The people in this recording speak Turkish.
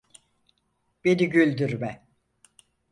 Beni güldürme.